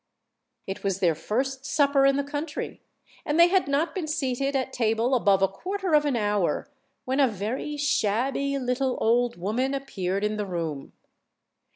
It was their first supper in the country, and they had not been seated at table above a quarter of an hour, when a very shabby little old woman appeared in the room.